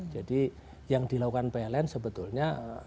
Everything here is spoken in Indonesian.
jadi yang dilakukan pln sebetulnya